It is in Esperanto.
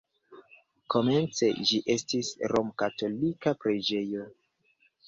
Komence ĝi estis romkatolika preĝejo.